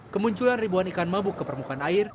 kemunculan ribuan ikan mabuk ke permukaan air